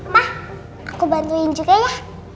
mah aku bantuin juga ya